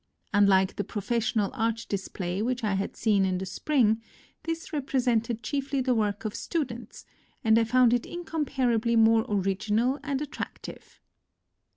Unlike the professional art display which I had seen in the spring, this represented chiefly the work of students ; and I found it incomparably more original and attractive.